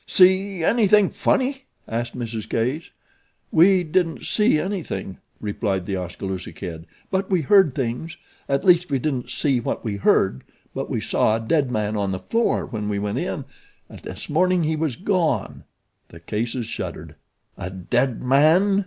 "See anything funny?" asked Mrs. Case. "We didn't SEE anything," replied The Oskaloosa Kid; "but we heard things. At least we didn't see what we heard; but we saw a dead man on the floor when we went in and this morning he was gone." The Cases shuddered. "A dead man!"